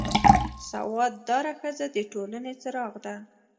سواد داره ښځه د ټولنې څراغ ده